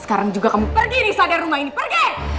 sekarang juga kamu pergi nih saudara rumah ini pergi